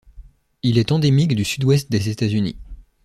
Il est endémique du sud-ouest des États-Unis.